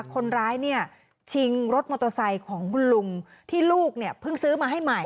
คนร้ายเนี่ยชิงรถมอเตอร์ไซค์ของคุณลุงที่ลูกเนี่ยเพิ่งซื้อมาให้ใหม่